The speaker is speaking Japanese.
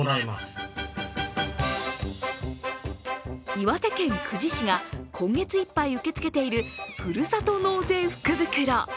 岩手県久慈市が今月いっぱい受け付けているふるさと納税福袋。